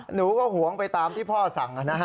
หนูก็หวงไปตามที่พ่อสั่งนะฮะ